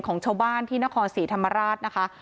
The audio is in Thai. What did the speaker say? ของชาวบ้านที่นครศรีธรรมราชนะคะ